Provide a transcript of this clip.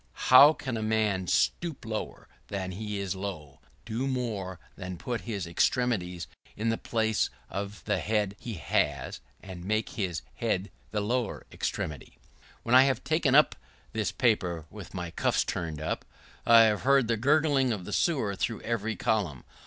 How can a man stoop lower than he is low? do more than put his extremities in the place of the head he has? than make his head his lower extremity? When I have taken up this paper with my cuffs turned up, I have heard the gurgling of the sewer through every column.